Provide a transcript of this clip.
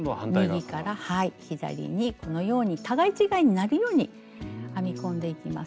右から左にこのように互い違いになるように編み込んでいきます。